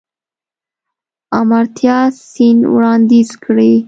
آمارتیا سېن وړانديز کړی.